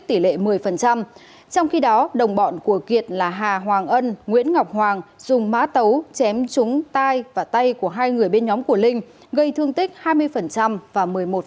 trong khi đó đồng bọn của kiệt là hà hoàng ân nguyễn ngọc hoàng dùng mã tấu chém trúng tay và tay của hai người bên nhóm của linh gây thương tích hai mươi và một mươi một